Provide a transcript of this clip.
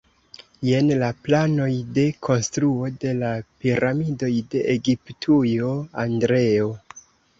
Jen la planoj de konstruo de la piramidoj de Egiptujo, Andreo.